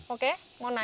oke mau naik